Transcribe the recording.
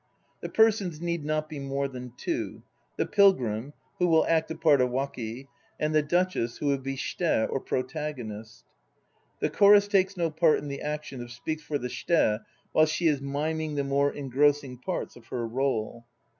persons need not be more than two the Pilgrim, who will a*t the part of waki, and the Duchess, who will be shite or Protago Ihe chorus takes no pan in the action, but speaks for the uliile she is miming the more engrossing parts of her role.